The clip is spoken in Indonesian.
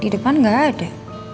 di depan gak ada